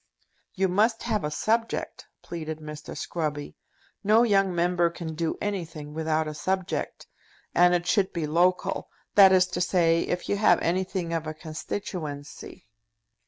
"You must have a subject," pleaded Mr. Scruby. "No young Member can do anything without a subject. And it should be local; that is to say, if you have anything of a constituency.